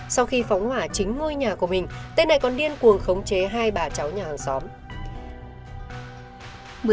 sau khi phóng hỏa chính ngôi nhà của mình tên này còn điên cuồng khống chế hai bà cháu nhà hàng xóm